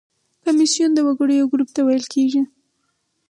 کمیسیون د وګړو یو ګروپ ته ویل کیږي.